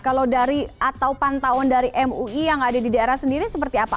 kalau dari atau pantauan dari mui yang ada di daerah sendiri seperti apa